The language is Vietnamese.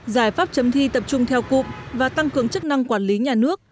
giải pháp chấm thi tập trung theo cụm và tăng cường chức năng quản lý nhà nước